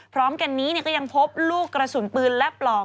พร้อมกันนี้ก็ยังพบลูกกระสุนปืนและปลอก